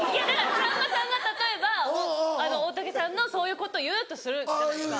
さんまさんが例えば大竹さんのそういうこと言うとするじゃないですか。